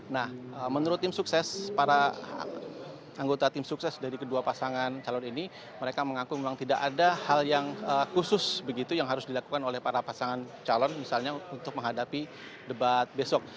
nah menurut tim sukses para anggota tim sukses dari kedua pasangan calon ini mereka mengaku memang tidak ada hal yang khusus begitu yang harus dilakukan oleh para pasangan calon misalnya untuk menghadapi debat besok